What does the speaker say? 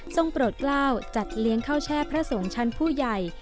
โปรดกล้าวจัดเลี้ยงข้าวแช่พระสงฆ์ชั้นผู้ใหญ่